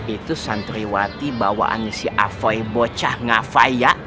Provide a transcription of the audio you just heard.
itu santriwati bawaan si afoy bocah ngafaya